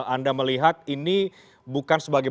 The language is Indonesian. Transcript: anda melihat ini bukan sebagai